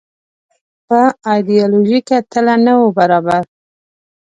پر ایډیالوژیکه تله نه وو برابر.